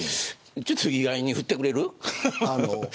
ちょっと岩井に振ってくれる。